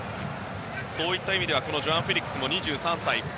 そういった意味ではジョアン・フェリックスも２３歳。